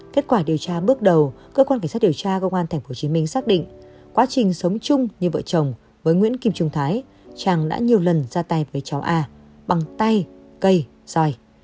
kết quả điều tra bước đầu cơ quan cảnh sát điều tra công an tp hcm xác định quá trình sống chung như vợ chồng với nguyễn kim trung thái trang đã nhiều lần ra tay với cháu a bằng tay cây xoài